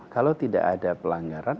kalau tidak ada pelanggaran